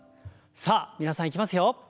さあ皆さんいきますよ。